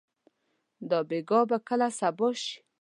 دا بېګا به کله صبا شي؟